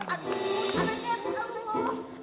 aduh anaknya aduh